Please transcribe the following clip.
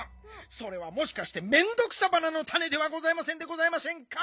それはもしかしてメンドクサバナのたねではございませんでございませんか？